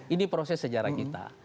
ini proses sejarah kita